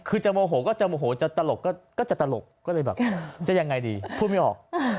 คือจะโมโหก็จะโมโหจะตลกก็จะตลกก็เลยแบบจะยังไงดีพูดไม่ออก